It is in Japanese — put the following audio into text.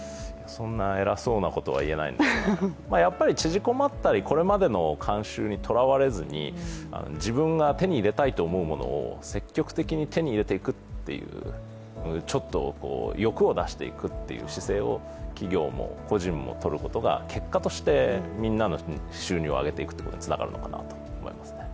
そんな偉そうなことはいえないんですがやっぱり縮こまったりこれまでの慣習にとらわれずに自分が手に入れたいと思うものを積極的に手に入れていくっていう、ちょっと欲を出していくっていう姿勢を企業も個人もとることが結果としてみんなの収入を上げていくということにつながるのかなと思います。